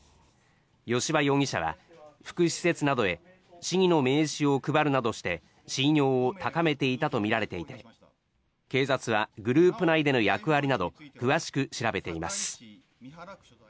吉羽容疑者は福祉施設などへ市議の名刺を配るなどして信用を高めていたとみられていて警察はグループ内での役割など詳しく調べています。